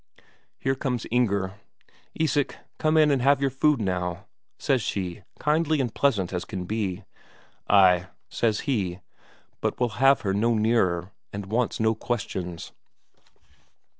Here comes Inger. "Isak, come in and have your food now," says she, kindly and pleasant as can be. "Ay," says he, but will have her no nearer, and wants no questions.